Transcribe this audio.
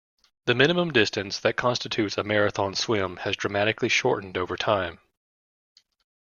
The minimum distance that constitutes a marathon swim has dramatically shortened over time.